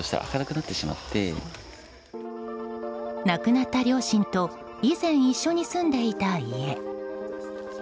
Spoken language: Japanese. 亡くなった両親と以前一緒に住んでいた家。